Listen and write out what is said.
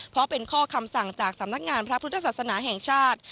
เพราะเป็นข้อคำสั่งจากสำนักงานพระพุทธศาสนาแห่งชาติ